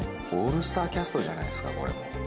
オールスターキャストじゃないですかこれ。